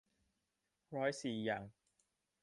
ร้อยสีร้อยอย่าง